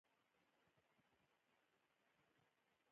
د باکتریاوو په کروموزومونو تاثیر کوي او د ډي این اې جوړښت نهي کوي.